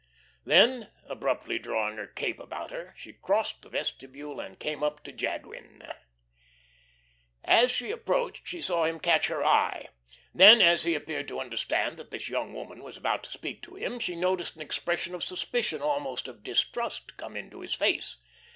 Then, abruptly drawing her cape about her, she crossed the vestibule and came up to Jadwin. As she approached she saw him catch her eye. Then, as he appeared to understand that this young woman was about to speak to him, she noticed an expression of suspicion, almost of distrust, come into his face.